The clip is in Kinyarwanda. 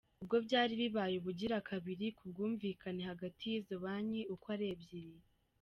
Ubwo byari bibaye ubugira kabiri kubwumvikane hagati yizo banki uko ari ebyiri.